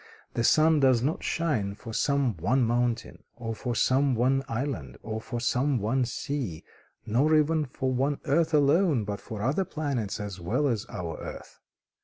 The sun does not shine for some one mountain, or for some one island, or for some one sea, nor even for one earth alone, but for other planets as well as our earth.